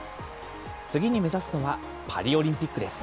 次に目指すのはパリオリンピックです。